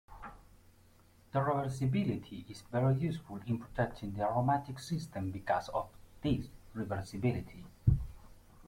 The reversibility is very useful in protecting the aromatic system because of this reversibility.